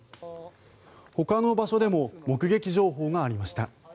ほかの場所でも目撃情報がありました。